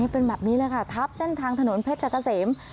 เป็นแบบนี้เลยค่ะทับเส้นทางถนนเพชรกะเสม